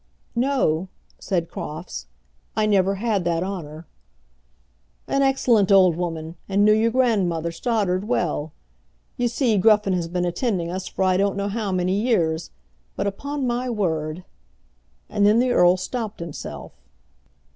"No," said Crofts. "I never had that honour." "An excellent old woman, and knew your grandmother Stoddard well. You see, Gruffen has been attending us for I don't know how many years; but upon my word " and then the earl stopped himself.